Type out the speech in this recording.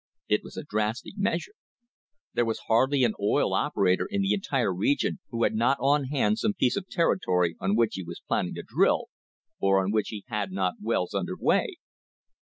It was a drastic measure. There was hardly an oil operator in the entire region who had not on hand some piece of territory on which he was planning to drill, or on which he had not wells under way.